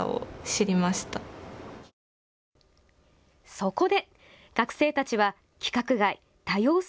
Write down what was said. そこで学生たちは規格外・多様性